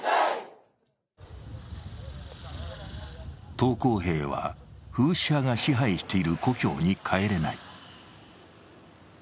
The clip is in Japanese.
投降兵は、フーシ派が支配している故郷に帰れない。